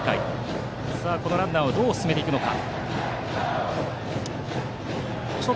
このランナーをどう進めるか。